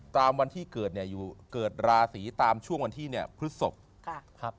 ตามวันที่เกิดเนี่ยเกิดราศรีตามช่วงวันที่พฤษภพฤษภพ